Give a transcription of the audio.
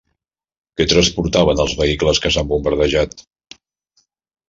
Què transportaven els vehicles que s'han bombardejat?